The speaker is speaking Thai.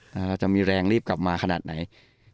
เราจะมีแรงรีบกลับมาขนาดไหน